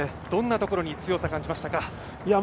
どんなところに強さを感じましたか？